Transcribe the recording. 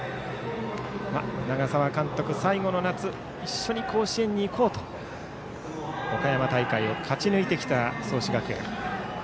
長澤監督、最後の夏一緒に甲子園に行こうと岡山大会を勝ち抜いてきた創志学園。